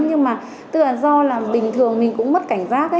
nhưng mà tựa do là bình thường mình cũng mất cảnh giác